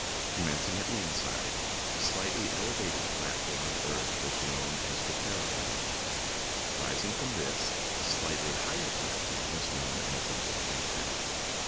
Commencing at the inside, a slightly elevated platform of earth was known as the " terreplain." Rising from this, a slightly higher platform was known as a " banquette."